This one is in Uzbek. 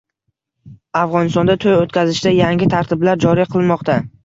Afg‘onistonda to‘y o‘tkazishda yangi tartiblar joriy qilinmoqda